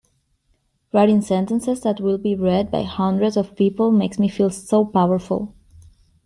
Writing sentences that will be read by hundreds of people makes me feel so powerful!